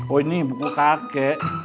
oh ini buku kakek